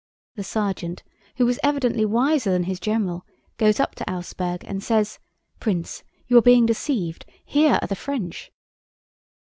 The sergeant, who was evidently wiser than his general, goes up to Auersperg and says: 'Prince, you are being deceived, here are the French!